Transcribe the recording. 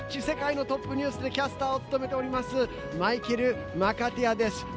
世界のトップニュース」でキャスターを務めておりますマイケル・マカティアです。